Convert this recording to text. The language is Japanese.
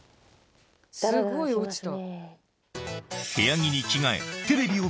すごい落ちた。